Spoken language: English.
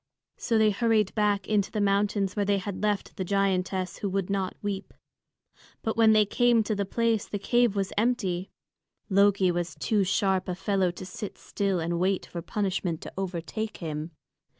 So they hurried back into the mountains where they had left the giantess who would not weep. But when they came to the place, the cave was empty. Loki was too sharp a fellow to sit still and wait for punishment to overtake him.